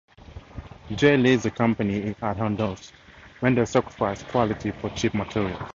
Jay leaves the company he had endorsed when they sacrifice quality for cheap materials.